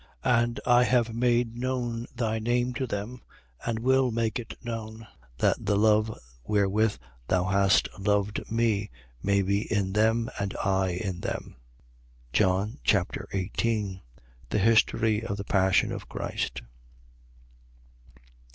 17:26. And I have made known thy name to them and will make it known: that the love wherewith thou hast loved me may be in them, and I in them. John Chapter 18 The history of the passion of Christ.